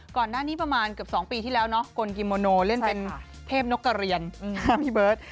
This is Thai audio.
ก่อนหน้านี้ประมาณเกือบ๒ปีที่แล้วเนาะกลกิโมโนเล่นเป็นเทพนกกระเรียนพี่เบิร์ต